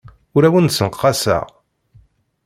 Ur awent-d-ssenqaseɣ.